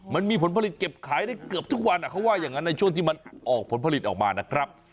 มันมีผลผลิตเก็บขายได้เกือบทุกวันเขาว่าอย่างนั้นในช่วงที่มันออกผลผลิตออกมานะครับ